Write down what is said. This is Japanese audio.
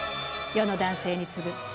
世の男性に告ぐ！